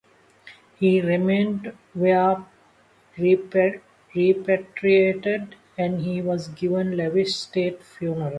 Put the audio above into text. His remains were repatriated and he was given a lavish state funeral.